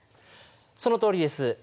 そのとおりです。